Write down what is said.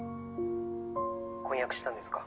「婚約したんですか」